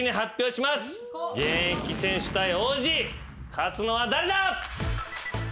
勝つのは誰だ？